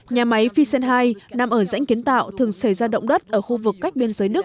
nhà máy phi sen hai nằm ở dãnh kiến tạo thường xảy ra động đất ở khu vực cách biên giới đức